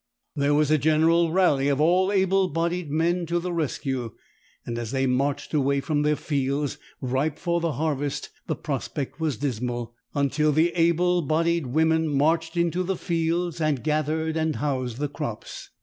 There was a general rally of all able bodied men to the rescue; and as they marched away from their fields ripe for the harvest the prospect was dismal, until the able bodied women marched into the fields and gathered and housed the crops.